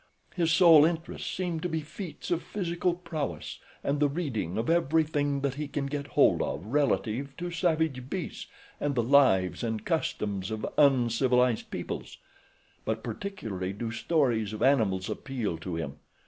His sole interests seem to be feats of physical prowess and the reading of everything that he can get hold of relative to savage beasts and the lives and customs of uncivilized peoples; but particularly do stories of animals appeal to him.